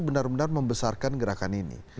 benar benar membesarkan gerakan ini